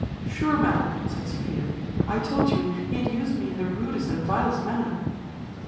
"Sure, madam," said Sophia, "I told you he had used me in the rudest and vilest manner."